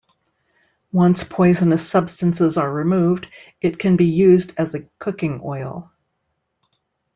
Once poisonous substances are removed, it can be used as a cooking oil.